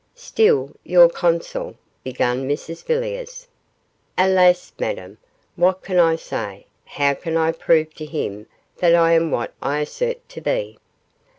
'Still, your consul ' began Mrs Villiers. 'Alas, Madame, what can I say how can I prove to him that I am what I assert to be?